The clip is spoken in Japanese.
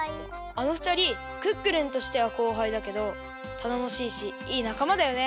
あのふたりクックルンとしてはこうはいだけどたのもしいしいいなかまだよね。